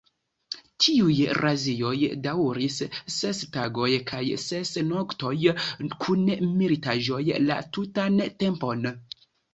Tiuj razioj daŭris ses tagojn kaj ses noktojn, kun militaĵoj la tutan tempon.